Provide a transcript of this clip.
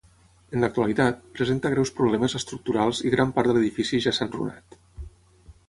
En l'actualitat, presenta greus problemes estructurals i gran part de l'edifici ja s'ha enrunat.